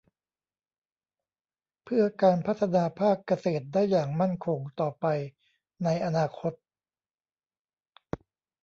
เพื่อการพัฒนาภาคเกษตรได้อย่างมั่นคงต่อไปในอนาคต